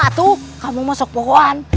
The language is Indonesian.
atuh kamu masuk pohon